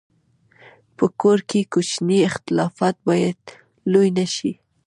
په کور کې کوچني اختلافات باید لوی نه شي.